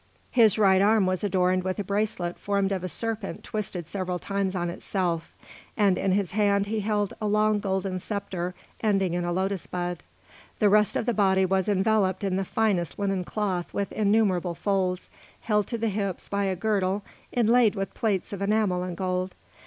His right arm was adorned with a bracelet formed of a serpent twisted several times on itself, and in his hand he held a long golden sceptre ending in a lotus bud. The rest of the body was enveloped in the finest linen cloth with innumerable folds, held to the hips by a girdle inlaid with plates of enamel and gold.